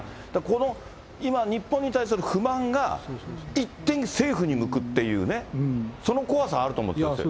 この、今日本に対する不満が、一転、政府に向くっていうね、その怖さあると思うんですよ。